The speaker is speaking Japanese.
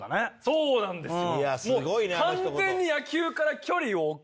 そうなんですよ。